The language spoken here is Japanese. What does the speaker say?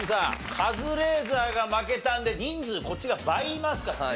カズレーザーが負けたんで人数こっちが倍いますからね。